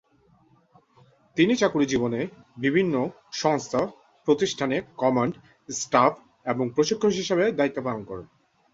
তিনি চাকুরী জীবনে বিভিন্ন/সংস্থা/প্রতিষ্ঠানে কমান্ড, স্টাফ এবং প্রশিক্ষক হিসেবে দায়িত্ব পালন করেন।